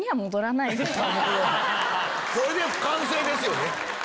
これで完成ですよね。